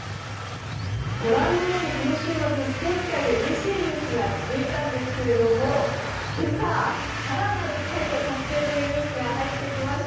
この週末スポーツ界でうれしいニュースがありましたが今朝、更なる快挙達成というニュースが入ってきました。